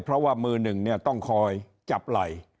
เพราะว่ามือหนึ่งเนี่ยต้องคอยจับไหล่